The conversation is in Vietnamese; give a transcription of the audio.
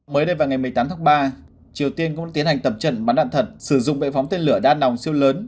mới đây vào ngày một mươi tám tháng ba triều tiên cũng tiến hành tập trận bắn đạn thật sử dụng bệ phóng tên lửa đa nòng siêu lớn